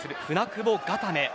舟久保固め。